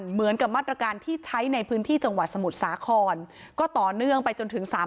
เหมือนกับมาตรการที่ใช้ในพื้นที่จังหวัดสมุทรสาครก็ต่อเนื่องไปจนถึง๓๐